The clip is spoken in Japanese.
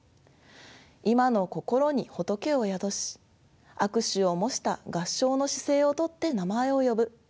今の心に仏を宿し握手を模した合掌の姿勢をとって名前を呼ぶ。